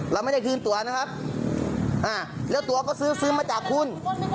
เราไม่ได้คืนตัวนะครับแล้วตัวก็ซื้อซื้อมาจากคุณ